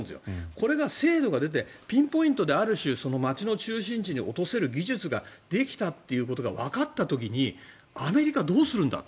これが精度が出てピンポイントである種、街の中心地に落とせる技術ができたということがわかった時にアメリカはどうするんだと。